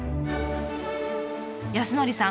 康典さん